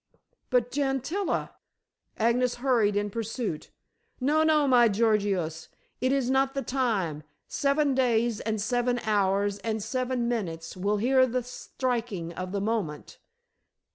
"But, Gentilla?" Agnes hurried in pursuit. "No! no, my Gorgious. It is not the time. Seven days, and seven hours, and seven minutes will hear the striking of the moment.